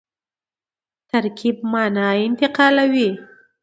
ترکیب مانا انتقالوي.